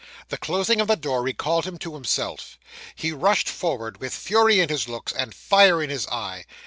The closing of the door recalled him to himself. He rushed forward with fury in his looks, and fire in his eye.